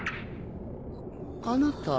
あなた